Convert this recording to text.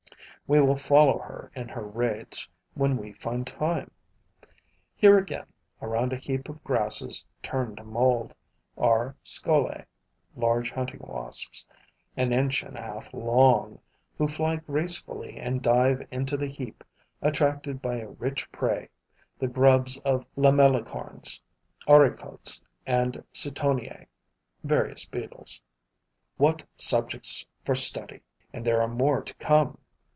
We will follow her in her raids when we find time. Here again, around a heap of grasses turned to mould, are Scoliae [large hunting wasps] an inch and a half long, who fly gracefully and dive into the heap, attracted by a rich prey, the grubs of Lamellicorns, Orycotes and Ceotoniae [various beetles]. What subjects for study! And there are more to come.